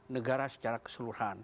negara secara keseluruhan